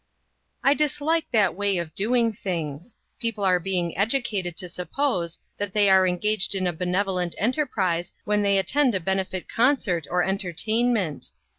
I DISLIKE that way of doing things. People are being educated to suppose that they are engaged in a benevolent en terprise when they attend a benefit concert or entertainment.